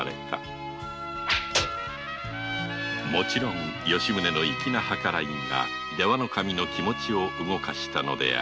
もちろん吉宗の粋な計らいが出羽守の気持を動かしたのである